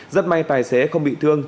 rất may tài xế không bị thương